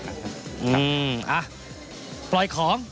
อ่ะปล่อยของ